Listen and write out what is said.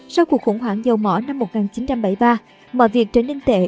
sau cuộc khủng hoảng dầu mỏ năm một nghìn chín trăm bảy mươi ba mọi việc trở nên tệ